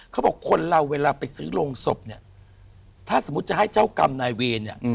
เขาบอกคนเราเวลาไปซื้อโรงศพเนี่ยถ้าสมมุติจะให้เจ้ากรรมนายเวรเนี่ย